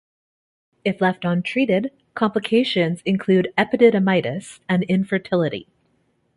If left untreated, complications include epididymitis and infertility.